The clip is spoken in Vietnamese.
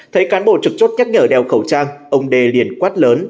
thấy cán bộ trực chốt nhắc nhở đeo khẩu trang ông đê liền quát lớn